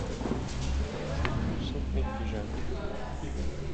C’est tout sauf négligeable